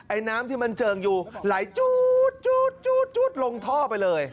ไอน้ำที่มันเจิงอยู่ไหลจู๊ดจู๊ดจู๊ดจู๊ดลงท่อไปเลย